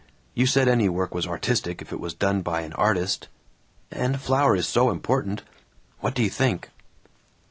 You said any work was artistic if it was done by an artist. And flour is so important. What do you think?"